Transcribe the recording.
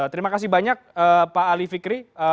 terima kasih banyak pak ali fikri